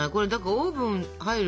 オーブン入る？